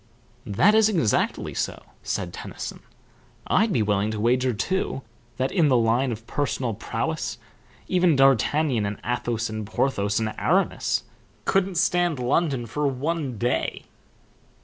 "That is exactly so," said Tennyson. "I'd be willing to wager too that, in the line of personal prowess, even D'Artagnan and Athos and Porthos and Aramis couldn't stand London for one day."